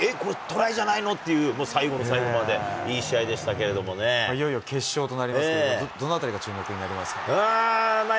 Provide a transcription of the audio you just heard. これ、トライじゃないの？っていう、もう最後の最後まで、いい試合でいよいよ決勝となりますけれども、どのあたりが注目になりますか？